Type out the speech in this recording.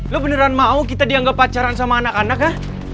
lo beneran mau kita dianggap pacaran sama anak anak ya